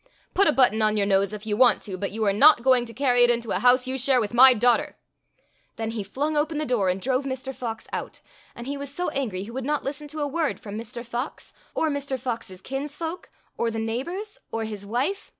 Put a button on your nose if you want to, but you are not going to carry it into a house you share with my daughter." Then he flung open the door and drove Mr. Fox out, and he was so angry he would not listen to a word from Mr. Fox, or Mr. Fox's kinsfolk, or the neighbors, or his wife.